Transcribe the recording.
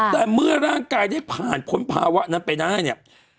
แต่เมื่อร่างกายได้ผ่านพ้นภาวะนั้นไปได้เนี่ย